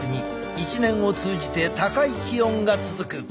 一年を通じて高い気温が続く。